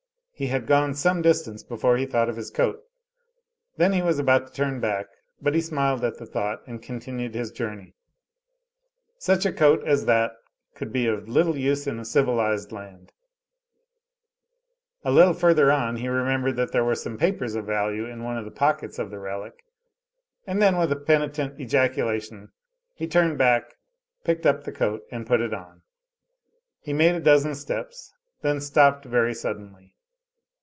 He had gone some distance before he thought of his coat; then he was about to turn back, but he smiled at the thought, and continued his journey such a coat as that could be of little use in a civilized land; a little further on, he remembered that there were some papers of value in one of the pockets of the relic, and then with a penitent ejaculation he turned back picked up the coat and put it on. He made a dozen steps, and then stopped very suddenly.